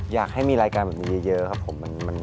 อยากให้มีรายการแบบนี้เยอะครับผม